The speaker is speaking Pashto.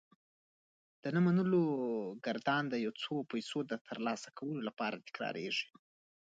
د نه منلو ګردان د يو څو پيسو ترلاسه کولو لپاره تکرارېږي.